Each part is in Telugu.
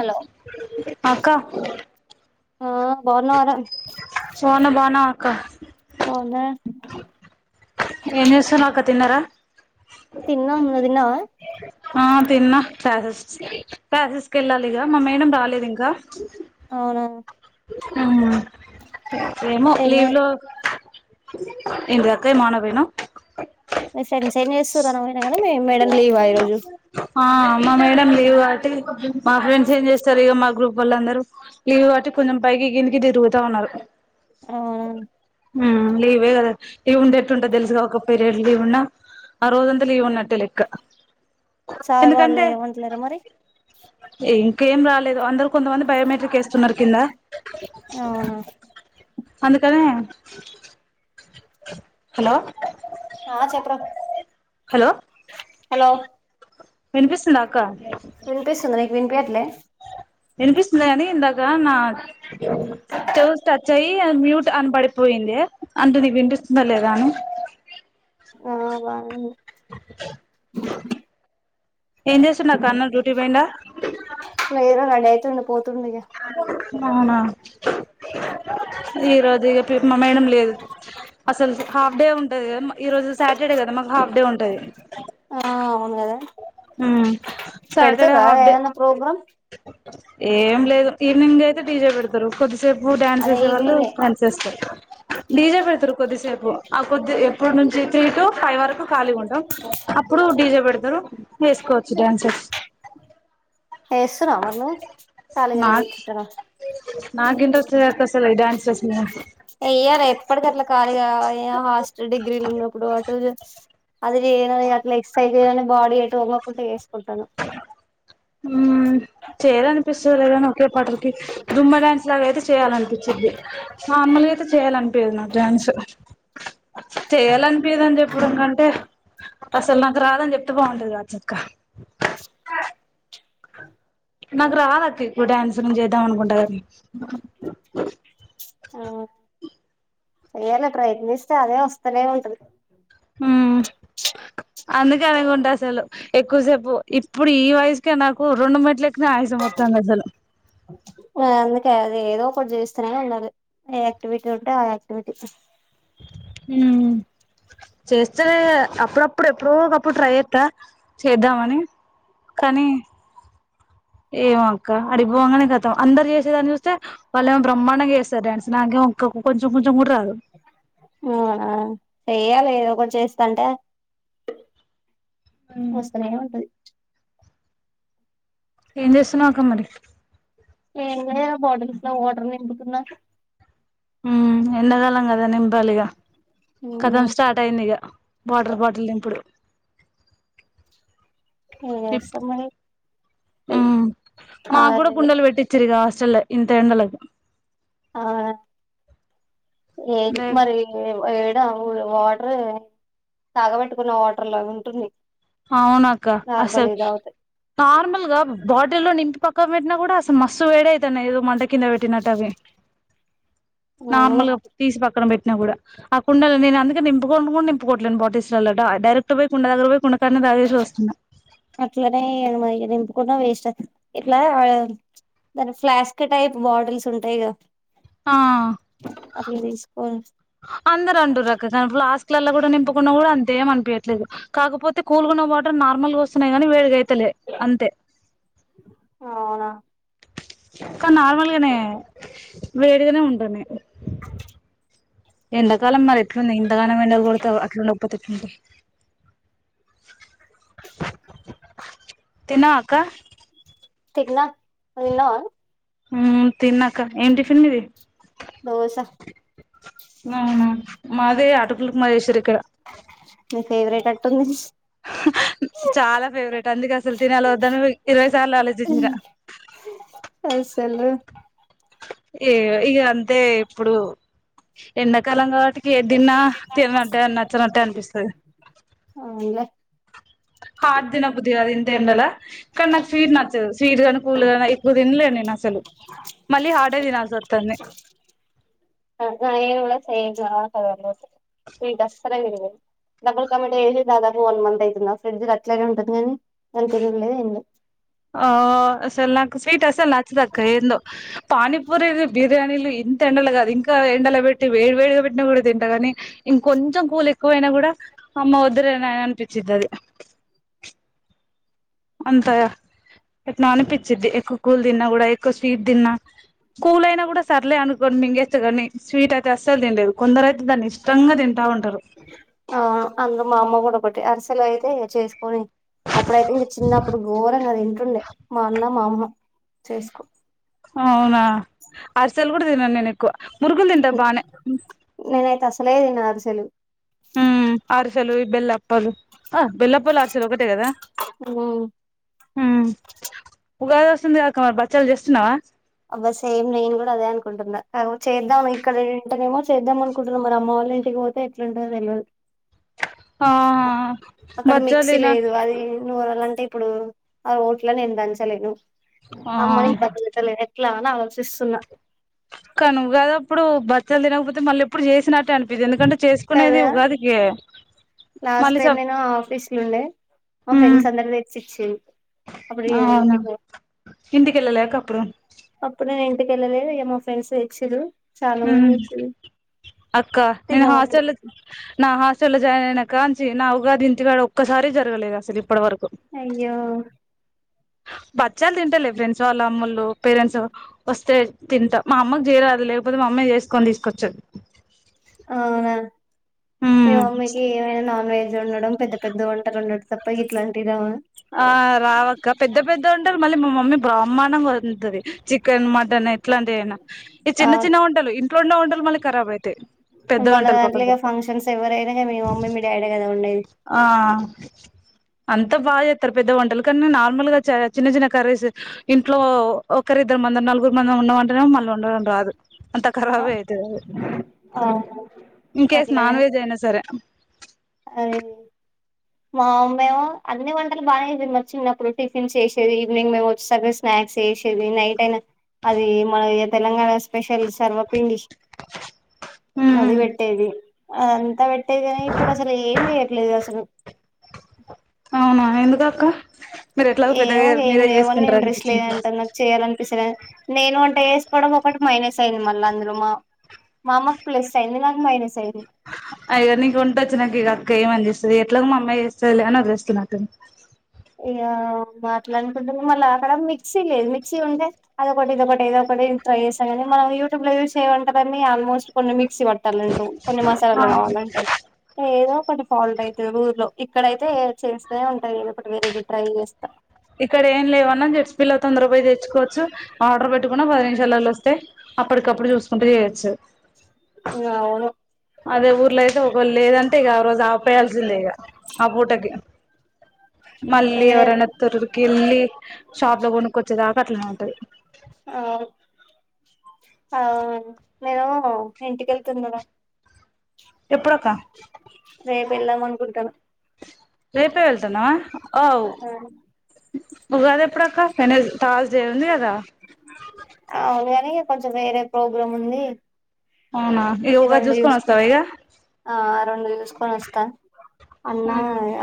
హలో అక్క ఆ బాగున్నావరా బాగున్న బాగున్నావా అక్క బాగున్నా ఏం ఏస్తున్నావ్ అక్క తిన్నరా తిన్నాం నువ్వు దిన్నావా ప్యాసెస్ ప్యాసెస్కి వెళ్ళాలి ఇగ మా మేడం బాలేదు ఇంకా అవునా ఆ ఏమో ఏం లీవ్ లో ఏంటిదక్క ఏమో అన బోయినావ్ మీ ఫ్రెండ్స్ ఏం జేస్తురు అనవోయినా గాని, మీ మేడం లీవా ఈ రోజు ఆ మా మేడమ్ లీవ్ ఆ మా ఫ్రెండ్స్ ఏం చేస్తారు ఇగా మా గ్రూపోలందరూ అందరూ లీవ్ కాబాట్టి కొంచెం పైకి కిద కు తిరుగుతా ఉన్నారు నో సౌండ్ ఉ లీవే కదా లీవు ఉండే ఎట్టుంటో తెలుసు అక్క ఒక పయిరేడ్ లీవు ఉన్నా అ రోజంతా లీవ్ ఉన్నట్టే లేక్క సార్ వాళ్లు ఏమంటలేరా మరి ఇంకేం రాలే అందరు కొంతమంది బయోమెట్రిక్ వేన్నారు కింద అవునా అందుకని హలో ఆ చెప్పురా హలో అనిపిస్తుందా అక్క లే వినిపిస్తుంది కాని ఇందాక నా చెవ్వు టచ్ అయ్యి మ్యూట్ అని పడిపోయింది అయిపోయింది అంటూ నీ వినిపిస్తుందా లేదా అని ఆ బానే బోళ్ల సౌండ్ ఏం చేస్తుండక్క డ్యూటీ పోయిండా అంతే పోతుంది ఈగ అవునా ఈ రోజు ఇగ మ మేడం లేదు అసలు హాఫ్ డే ఉంటది కదా ఈ రోజు సాటర్డే కదా మాకు హాఫ్ డే ఉంటది ఆ అవును కదా ఉ పెడతారు సటర్డే కదా హాఫ్ డే ఏదన్నా ప్రోగ్రామ్ ఏం లేదు ఈవినింగే డి జే పెడతారు కొద్దిసేపు డ్యాన్స్ అదే చేసేవాళ్ళు ఈవినింగే డాన్స్ చేస్తారు డీజే పెడతురు కొద్దిసేపు ఆ కొద్ది ఎప్పుడు నుంచి త్రీ టు ఫైవ్ వరకు ఖాళగా ఉంటాం అప్పుడు డీజే పెడతాం అందరూ చేసుకోవచ్చు డాన్సర్స్ చేస్తున్నావా నువ్వు ఖాళీగానే కూర్చుంటున్నావా నా ఇంట్రెస్ట్ అసలు ఈ డాన్సస్ మీద వేయరు ఎప్పటికీ అట్లా ఖాళీగా హాస్టల్ డిగ్రీలు ఉన్నప్పుడు అటు అది చేయని అట్లా ఎక్ససైజ్ చేయని బాడీ ఎటు వంగకుండా వేసుకుంటాను ఉ చేయర అనిపిస్తుందినీ ఒకే ఒకే పాటకిదుమ్మ డాన్స్ లాగా అయితే చేయాలనిపించింది నార్మల్గా అయితే చేయాలనిపది నాకు డ్యాన్స్ చెయాలనిపిదని చెప్పడం కంటే అసలు నాకు రాదని చెప్తే బాగుంటది కావచ్చు అక్క బోలో సౌండ్ నాకు రాదు అక్క ఎక్కువ డ్యాన్సు చేద్దాం అనుకుంటా కాని ఉ ఏదైనా ట్రై చేస్తే అదే వస్తనే ఉంటది ఉ అందుకే అనకుంటే అసలు ఎక్కువసేపు ఇప్పుడు ఈ వయసుకే నాకు రెండు మెట్లు ఎక్కిన పాయసం వస్తది పాయసం వస్తది అసలు అందుకే అది ఏదో ఒకటి చేస్తానే ఉండాలి ఏ యాక్టివిటీ ఉంటే ఆ యాక్టివిటీ బైక్ సౌండ్ చేస్తేనే అప్పుడప్పుడు ఎప్పుడో ఒక ఒకప్పుడు ట్రై చేస్తా చేద్దామని కానీ ఏమో అక్క అడిగిపోవంగానే గతం అందరు చేసేదాని చూస్తే వాళ్ళుమో బ్రహ్మాండంగా చేస్తారు డ్యాన్స్ నాకేమో ఇంకా కొంచెం కొంచెం కూడా రాదు అవునా చేయ్యాలి ఏదో ఒకటి చేస్తాంటే వస్తది వస్తానే ఉంటది ఏం చేస్తున్నావు అక్క మరి ఏం లేదు బాటిల్స్ లో వాటర్ నింపుతుంన హమ్ ఎండకాలం కదా నింపాలు ఇగ కథం స్టార్ట్ అయింది ఇక వాటర్ బాటిల్ ఇప్పుడు ఏం చేస్తాం మరి ఆ మాకు కూడా కుండలు పెట్టించారు ఇగ చలి లే ఇంత ఎండలకు ఆ ఏంటి లే మరి వాటర్ తాగబెట్టుకున్న వాటర్ లాగా ఉంటుంది అవునాక్క నార్మల్ అసలు ఇది తాగితే నార్మల్గా బాటి లో నింపి పకకు పెట్టిన కూడా మస్సు వేడి అయితానై ఏదో మంటకి కింద పెట్టినట్టు అవి అవును నార్మల్గా తీసి పక్కన పెట్టి కూడా ఆ కుండ నే అందుకే నింపుని నింకోట్లేను బాటిల్స్ డైరెక్ట్ గా పోయికుండ దగ్గరా పోయి కు అట్లనే ఇగ వేస్ట్ ఇట్లా దాని ఫ్లాస్క్ టైప్ బాటిల్స్ ఉంటాయిగా ఆ తీసుకోని అందరూ అంటనారు అక్కడ దాని ప లలో కూడా నింపుకున్న కూడా అంతే ఏం అనిపించయట్లేదు కాకపోతే కూల్గాన్న వాటర్ నార్మల్ గా వస్తున్నాయి కాని వేడిగాయితే అయితలే అంతే అవునా కానీ నార్మల్గానే వేడిగానే ఉంటానయీ ఎండాకాలం మరి ఎట్లుంది ఇంతగానం వెండా కొడితే అట్లాండ గపోతే ఎట్లుండగా తిన్నావా అక్క తిన్నా నువ్వు తిన్నావా హమ్ తిన్నా ఏం టిఫిన్ మీది దోశ అవున మాది అటుకుల మాదేశ్వరిక్కడ మీ ఫేవరేట్ అట్టుంది చాలా ఫేవరెట్ అందుకు అసలు తినాల వద్దాను ఇరవై సార్లు ఆలోచించిన అసలు ఏ ఇక అంతే ఇప్పుడు ఎండాకాలం కాబట్టి ఏదిిన్నా తిననట్టే నచ్చనట్టే అనిపిస్తుంది అవునులే హాట్ తినబుద్ధీ కాదు ఎంత ఎండల కానీ నాకు స్వీట్ నచ్చదు స్వీట్ గానీ కూల్ గానీ ఎక్కువ తిినలేను నేను అసలు మళ్ళీ హాట్ తినాల్సి వస్తుంది ఈ దస్తరాయండి గా డబ్బుక మీట చేసి దాదాపు వన్ మంత్ అవుతుందా ఫ్రిడ్జ్ అట్లానే ఉంటంది కాని దాని తినుడూ లేదు ఆమ్ లేదు ఆ అసలు నాకు స్వీట్ అసలు నచ్చదు అక్క ఏంటో పనిిపుూరి బిర్యానీిలి ఇంత ఎండలు కాదు ఇంకా ఎండల పెట్టి వేడి వేడిగా పెట్టిన కూడా తింటగా ఇంకొంచం కూలి ఎక్కువైనా కూడా అమ్మ వద్దరనాయన అనిపించింతదీ అంత ఎట్నో అనిపించిది ఎక్కువ కూల్ తిన్నా కూడా ఎక్కువ స్వీట్ తిన్నా కూల్ అయినా కూడా సర్లే అనుకోండి మింగేస్త కాని స్వీట్ అయి అస్సలు తిండేది కొందరు అయితే దాన్ని ఇష్టంగా తింటా ఉంటారు అవును అందులో మా అమ్మ కూడా ఒకటి అరిసెలో అయితే చేసుకొని అప్పుడైతే ఇంక చిన్నప్పుడు ఘోరం తినేది చేటుండే మా అన్న మా అమ్మ చేసుకో హో అవునా అరుసెలు కూడా తిన నేను ఎక్కువ పునుగులు తింటా బానే నేనైతే అసలే తిన అరిసెలు హమ్ అరుసెలు ఈ బెల్లా అప్పులు ఆ బెల్లా అప్పాలు అరెసెలు ఒకటే కదా హ్మ్. హమ్ ఉగాది వస్తుంది కదా అక్క మరి పాచ్చలు చేస్తున్నావా అబ్బా సేమ్ నేను కూడా అదే అనుకుంటుందా చేద్దాం ఇక్కడ ఏంటేనేమో చేద్దాం అనుకుంటున్నా మరి అమ్మ అమ్మ వల్ల ఇంటికి పోతే ఎట్లుంటదో తెలువదు ఆ అక్కడ బచ్చాలు మిక్సీ తిన లేదు అది నూరళ అంటే ఇప్పుడు ఆ రోట్లో నేను దంచలేను ఆ అమ్మని బాధ పెట్టలేను ఎట్లా అని ఆలోచిస్తున్నా కను గాదప్పుడు బచ్చలు తినకపోతే మళ్ళీ ఇప్పుడు చేసినట్టే అనిపీదు ఎందుకంటే చేసుకునేది కదా ఉగాదికె లాస్ట్ టైం నేను ఆఫీస్లో ఉండే మా ఉమ్ ఫ్రెండ్స్ అందరు తెచ్చి ఇచ్చి అప్పుడు ఏంటి ఇక ఇంటికెల్ల లేక అప్పుడు ఇంటి కెల్ల లేదు ఏమో ఫ్రెండ్స్ తెచ్చెరు అక్క నేన్ తిన్నాం అప్పుడు హాస్టల్ నా హాస్ట్ స జాయిన్ అయినా కానించి నా ఉగాది ఇంటికాడ ఒక్కసారి జరగలేదు అసలు ఇప్పటి వరకు అయ్యో హ బచ్చాలు తింటలే ఫ్రెండ్స్ వాళ్ళ అమ్మాల్లు పేరెంట్స్ వస్తే తింటా మా అమ్మకు చేయరాదు లేకపోతే మా అమ్మాయి చేసుకొని తీస్కోచ్చిర్ అవునా మీ ఉమ్ మమ్మీకి ఏమైనా నాన్ వెజ్ వండడం పెద్ద పెద్ద వంటలు వండడం తప్ప ఇట్లాంటివి రావ ఆ రావక్క పెద్ద పెద్ద వంటలు మళ్ళీ మా మమ్మీ బ్రాహ్మాణంగ వండుతది చికెన్ మటన్ అయి ఎట్లాంటివి అయినా ఈ చిన్న చిన్న అవును వంటలు ఇంట్లో ఉన్న వంటలు మళ్ళీ ఖరాబ్ అయితాయి పెద్ద మన వంటలు దాంట్లో పక్కన ఇగ పెడితే ఫంక్షన్స్ ఎవ్వరైనా గాని మి మమ్మీ మీ డాడీ కదండి ఆ అంత బగా చేస్తారు పెద్ద వంటలు కానీ నార్మల్ గా చిన్న చిన్న కర్రీస్ ఇంట్లో ఒకరి మ నలుగురు మంది ఉన్న అంటేనే మళ్ళీ వండడం రాదు అంత ఖరాబే అయితది ఇంకేస్ నాన్ వెజ్ అయిన సరే అరేయ్ మా అమ్మెమో అన్ని వంటలు బానే చిన్నప్పుడు టిఫిన్ చేసేది ఈవినింగ్ మేము వచ్చేసరికి స్నాక్ స్నాక్స్ చేసేది నైట్ అయిన అది మన తెలంగాణ స్పెషల్ తర్వపిండి అది ఉమ్ పెట్టేది అదంతా పెట్టేది కానీ ఇప్పుడు అసలు ఏం చేయట్లేదు అసలు అవున ఎందుకక్క ఏమో ఏమి చేయమన్న ఇంట్రెస్ట్ లేదంటది నాకు చేయాలినిపిస్తులే నేను వంట వేసుకోవడం ఒకటి మైనస్ అయింది మళ్ళా అందులో మా మా అమ్మకు ప్లస్ అయింది నాక్ మైనస్ అయింది అ ఇగ నీకు వంటొచ్చు నాకు ఇక అక్క ఏమ నేపిస్తది ఎట్లాగో మా అమ్మాయి చేస్తుంది లే అని వదిేస్తున్నాటు ఇగ మాట్లానుకుంటుంది మళ్ళీ అక్కడ మిక్సీ లేదు మిక్సీ ఉంటే అదొకటి ఇదకటి ఏదోటి ఒకటి ట్రై చేసాం కానీ మనం యూట్యూ లో యూస్ చేయమంటేాన్ని ఆల్మోస్ట్ కొన్ని మిక్సీ పట్టాలంటరు కొన్ని మసాలాలు కావాలంటాడు ఏదో ఒకటి ఫాల్ట్ అయితది ఊర్లో ఇక్కడైతే చేస్తేనేఉంటాయి ఏదో ఒకటి వేరేటి ట్రై చేస్తా ఇక్కడ ఏం లేవన్న జెట్స్ బీలో తొందర పోయి తెచ్చుకోవచ్చు ఆర్డర్ పెట్టుకున్న పది నిమిష్ షాలలో వస్తే అప్పటికప్పుడు చూసుకుంట చేయొచ్చు ఇంక ఆవును అదే ఊర్లో అయితే ఒకళ్ లేదంటే ఇక ఆ రోజు ఆపేయాల్సిందే ఇగ ఆ పూటకి [inaudible] మళ్ళీ దిగలేదు ఎవరన్నా వత్తరు గిళ్లి షాప్లో కొనుక్కొచ్చేదాక అట్లానే ఉంటది ఆ ఆ నేను ఇంటికెళ్ళి తిన్నా ఎప్పుడక్క రేపు ఎల్లాం అనుకుంటం రేపే వెళ్తాన్నావా ఔ ఉగాది ఎప్పుడక్క తర్స్ డే ఉంది కద అవును కాని కొంచెం వేరే ప్రోగ్రామ్ ఉంది అవునా ఇక ఇ ఉగాది రెండు చూసుకొని వస్తావా తీసుకుంది ఇక ఆ రెండు తీస్కో కొని వస్తా అన్న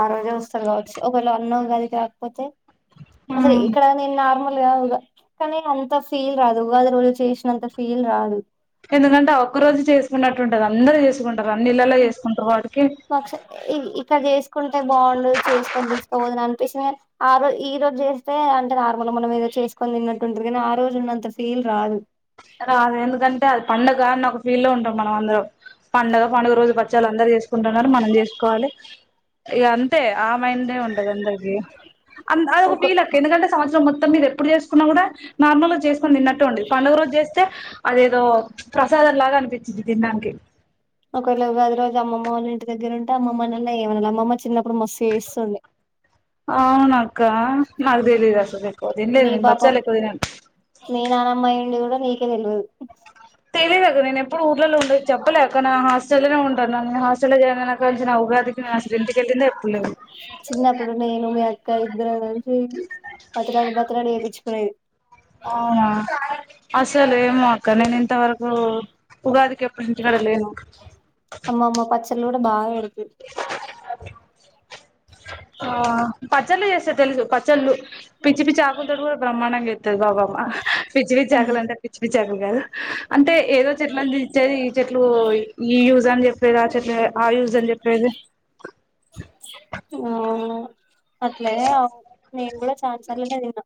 ఆ రోజు వస్తారు కావచ్చు ఒక అన్న గదికి తాకపోతే అసల్ ఇక్కడ నేను నార్మల్ కానీ అంత ఫీల్ రాదు ఉగాది రోజు చేసినంత ఫీల్ రాదు ఎందుకంటే ఆ ఒక్క రోజు చేసుకున్నట్టుంటది అందరు చేసుకుంటారు అన్ని ఇళ్లలో చేసుకుంటారు వాటి మక్ష ఇక్కడ చేసుకుంటే బాగుండు చేసుకొని తీసుకోవదుననిపిస్తది ఆరోజు ఈ రోజు చేస్తే అంటే నార్మల్ గా మనం ఏదో చేసుకొని తిన్నట్టుంటుంది కానీ ఆ రోజు ఉన్నంత ఫీల్ రాదు రాదు ఎందుకంటే అది పండగ అని ఒక ఫీల్ లో ఉంటాం మనం అందరం పండగ పండుగ రోజు పచ్చలు అందరు చేసుకుంటున్నారు మనం చేసుకోవాలి ఇగ అంతే ఆ మైండే ఉంటది అందరికీ అ అదొక ఒక పీలక ఎందుకంటే సంవత్సరం మొత్తం మీరు ఎప్పుడు చేసుకున్నా కూడా నార్మల్ గా చేసుకొని తిన్నట్టు ఉంటది పడుగ రోజు చేస్ అదేదో ప్రసాదం లాగా అనిపించిది తినడానికి ఒక అట్ల ఉగాది రోజు అమ్మమ్మ వాళ్ళ ఇంటి దగ్గర ఉంటే అమ్మ అల్న ఏమ అమ్మ చిన్నప్పుడు మస్తు ఏస్తుంది అవును అక్క నాకు తెలీదు అసలు ఎక్కువ మీ తినలేదు పాపం బచ్చళ్ళు ఎక్కువ తినను మీ నానమయ్ నీకు తెలవదు తెలియదక్క నేను ఎప్పుడు ఊర్లో ఉండదు చెప్పలేక నా హాస్టల్లోనే ఉంటాన్నాను న హాస్టల్లో జాయిన్ అయినా క చిన్నప్పుడు నేను మీ అక్క అది ఇద్దరు కలిసి పత్రన్ని పత్రన్ని చేపించుకునేది అవునా అసలు ఏమో అక్ కానీ నేను ఇంతవరకు ఉగాదికి ఎప్పడు ఇంటికాడ లేను తిను కూడా బాధపడకు అది ఆ పచ్చళ్లుు చేస్తే తెలీదు పచ్చళ్ళు పిచ్చి పిచ్చి ఆకుల్ తోటి కూడా బ్రహ్మణంగా చెతది బాబమ పిచ్ పిచ్చి ఆకులంటే పిచ్చి పిచ్చి ఆక్ ఇగద అంటే ఏదో చెట్లు అని ఇచ్చేది ఈ చెట్లు ఈ యూజ్ అని చెప్పేది ఆ చెట్ల ఆ యూజ్ అని చెప్పెది ఆ అట్లేనే నేను కూడా ఛాన్ సార్లనే తిన్నా